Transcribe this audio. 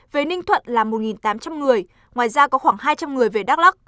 về ninh thuận là một tám trăm linh người ngoài ra có khoảng hai trăm linh người về đắk lắc